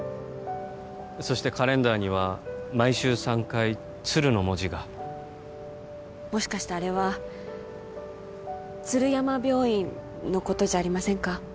そしてカレンダーには毎週３回「ツル」の文字がもしかしてあれは鶴山病院のことじゃありませんか？